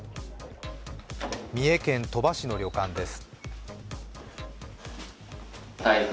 三重県鳥羽市の旅館です。